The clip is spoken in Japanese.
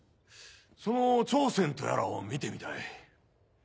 その貂蝉とやらを見てみたい。